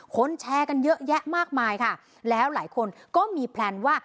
แชร์กันเยอะแยะมากมายค่ะแล้วหลายคนก็มีแพลนว่า